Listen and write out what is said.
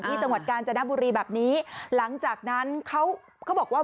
จังหวัดกาญจนบุรีแบบนี้หลังจากนั้นเขาเขาบอกว่า